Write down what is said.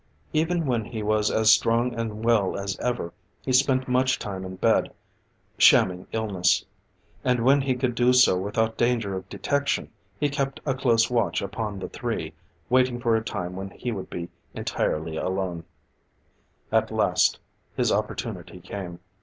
Even when he was as strong and well as ever, he spent much time in bed, shamming illness. And when he could do so without danger of detection, he kept a close watch upon the three, waiting for a time when he would be entirely alone. At last his opportunity came.